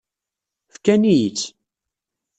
Fkan-iyi-tt.